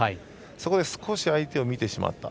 そこで少し相手を見てしまった。